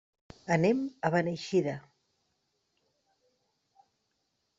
Anem a Beneixida.